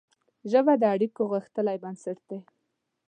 ژبه د اړیکو غښتلی بنسټ دی